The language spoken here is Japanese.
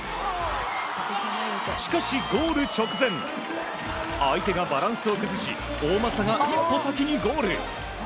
しかし、ゴール直前相手がバランスを崩し大政が一歩先にゴール。